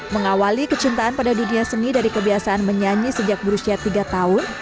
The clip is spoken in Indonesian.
mengawali kecintaan pada dunia seni dari kebiasaan menyanyi sejak berusia tiga tahun